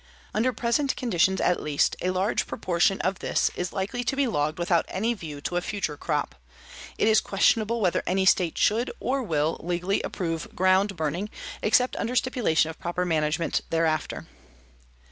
Under present conditions at least, a large proportion of this is likely to be logged without any view to a future crop. It is questionable whether any state should, or will, legally approve ground burning except under stipulation of proper management thereafter.